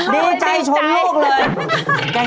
ดีใจชมลูกเลย